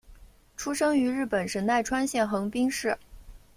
出生于日本神奈川县横滨市。